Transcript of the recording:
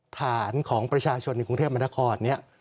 ฐานของประชาชนในกรุงเทพมนครเนี่ย